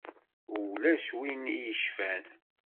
Ulac win i yecfan.